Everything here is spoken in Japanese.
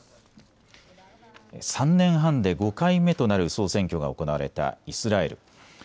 ３年半で５回目となる総選挙が行われたイスラエル。